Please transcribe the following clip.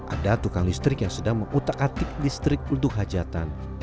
ada tukang listrik yang sedang mengutak atik listrik untuk hajatan